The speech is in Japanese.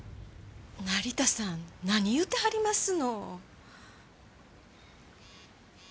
成田さん何言うてはりますの。